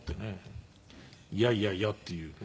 いやいやいやっていうね。